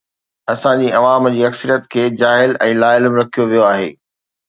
اسان جي عوام جي اڪثريت کي جاهل ۽ لاعلم رکيو ويو آهي.